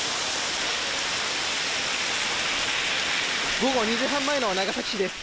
午後２時半前の長崎市です。